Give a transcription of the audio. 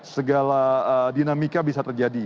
segala dinamika bisa terjadi